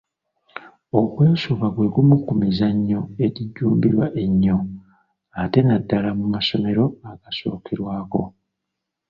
Okwesuuba gwe gumu ku mizannyo egikyajjumbirwa ennyo ate naddala mu masomero agasookerwako.